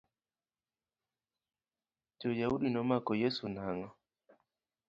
Joyaudi nomako Yeso nang'o?